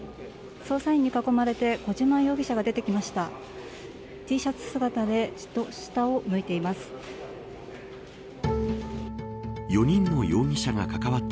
捜査員に囲まれて小島容疑者が出てきました。